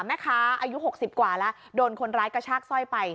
แม่ค้าอายุ๖๐กว่าแล้วโดนคนร้ายกระชากสร้อยไป